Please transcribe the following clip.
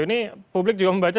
ini publik juga membaca